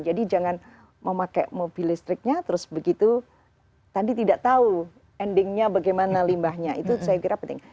jadi jangan mau pakai mobil listriknya terus begitu tadi tidak tahu endingnya bagaimana limbahnya itu saya kira penting